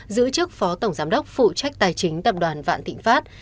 giữ chức phó tổng giám đốc phụ trách tài chính tập đoàn vạn thịnh pháp